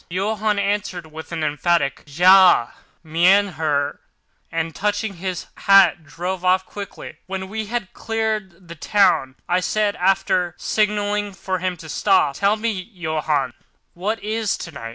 Johann answered with an emphatic, "Ja, mein Herr," and, touching his hat, drove off quickly. When we had cleared the town, I said, after signalling to him to stop: "Tell me, Johann, what is tonight?"